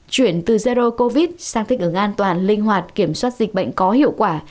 chuyển từ zero covid sang thích ứng an toàn linh hoạt kiểm soát dịch bệnh có hiệu quả